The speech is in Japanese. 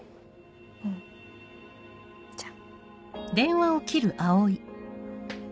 うんじゃあ。